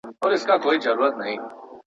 د مال، عزت او د سرونو لوټماران به نه وي.